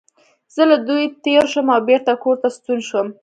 زه له دوی تېر شوم او بېرته کور ته ستون شوم.